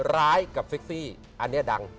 ร้ายกับเซ็กซี่อันนี้ดัง